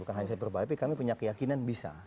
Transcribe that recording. bukan hanya saya berbahaya tapi kami punya keyakinan bisa